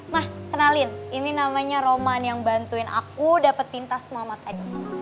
nah kenalin ini namanya roman yang bantuin aku dapet pintas selamat tadi